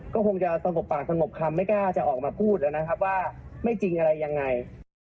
คงจะสมบัติปากสมบิตคำไม่กล้าออกมาพูดว่าไม่จริงอะไรยังไง